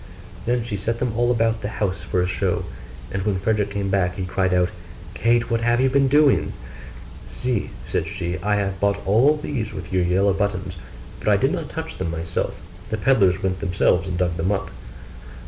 Then she set them all about the house for a show: and when Frederick came back, he cried out, 'Kate, what have you been doing?' 'See,' said she, 'I have bought all these with your yellow buttons: but I did not touch them myself; the pedlars went themselves and dug them up.